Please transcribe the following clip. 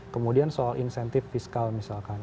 kemudian soal insentif fiskal misalkan